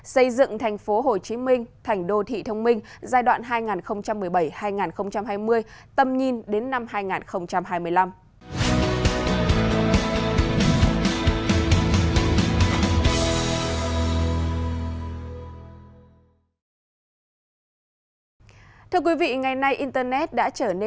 xây dựng thành phố hồ chí minh thành đô thị thông minh giai đoạn hai nghìn một mươi bảy hai nghìn hai mươi tầm nhìn đến năm hai nghìn hai mươi năm